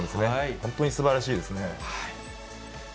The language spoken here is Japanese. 本当にすばらしいですね。